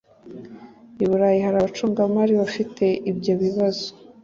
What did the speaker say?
I Burayi hari abacungamari bafite ibyo bibazo